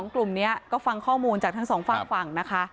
กลุ่มนี้ก็ฟังข้อมูลจากทั้งสองฝากฝั่งนะคะ